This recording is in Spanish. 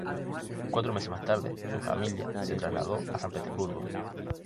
Cuatro meses más tarde, su familia se trasladó a San Petersburgo.